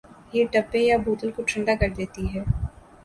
یہ ڈبے یا بوتل کو ٹھنڈا کردیتی ہے۔